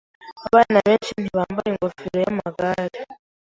Abana benshi ntibambara ingofero yamagare.